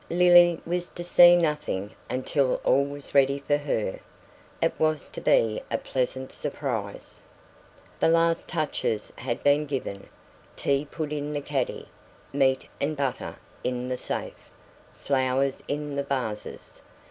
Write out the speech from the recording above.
Lily was to see nothing until all was ready for her. It was to be a "pleasant surprise". The last touches had been given tea put in the caddy, meat and butter in the safe, flowers in the vases.